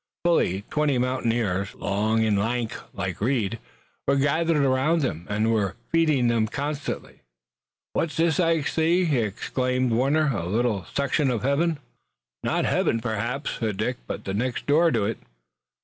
Fully twenty mountaineers, long and lank like Reed, were gathered around them, and were feeding them constantly. "What's this I see?" exclaimed Warner. "A little section of heaven?" "Not heaven, perhaps," said Dick, "but the next door to it."